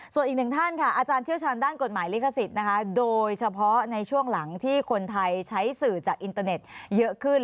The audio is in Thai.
ส่วนอีกหนึ่งท่านค่ะอาจารย์เชี่ยวชาญด้านกฎหมายลิขสิทธิ์นะคะโดยเฉพาะในช่วงหลังที่คนไทยใช้สื่อจากอินเตอร์เน็ตเยอะขึ้น